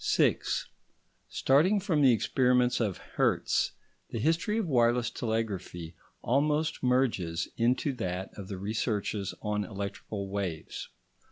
§ 6 Starting from the experiments of Hertz, the history of wireless telegraphy almost merges into that of the researches on electrical waves.